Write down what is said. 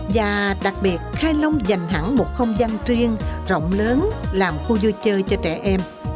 và đặc biệt khai long dành hẳn một không gian riêng rộng lớn làm khu vui chơi cho trẻ em